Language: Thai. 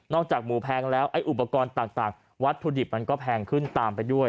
จากหมูแพงแล้วไอ้อุปกรณ์ต่างวัตถุดิบมันก็แพงขึ้นตามไปด้วย